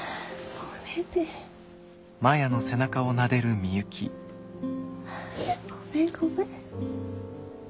ごめんごめん。